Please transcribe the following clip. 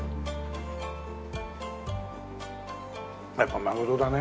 やっぱマグロだね。